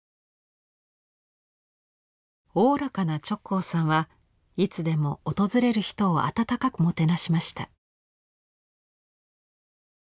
おおらかな直行さんはいつでも訪れる人を温かくもてなしました。